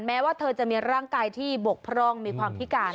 แม้ว่าเธอจะมีร่างกายที่บกพร่องมีความพิการ